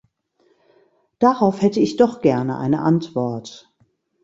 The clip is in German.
Darauf hätte ich doch gerne eine Antwort.